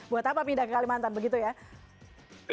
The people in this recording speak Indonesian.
buat apa pindah ke kalimantan begitu ya